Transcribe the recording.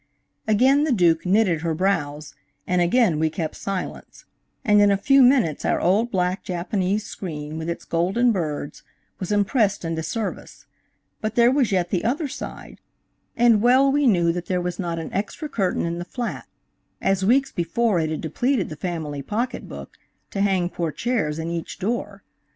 Again the Duke knitted her brows, and again we kept silence, and in a few minutes our old black Japanese screen, with its golden birds, was impressed into service; but there was yet the other side, and well we knew that there was not an extra curtain in the flat, as weeks before it had depleted the family pocket book to hang portières in each door.